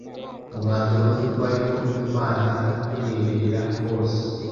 umwanzuro nu uko hariho Imana itureberera hose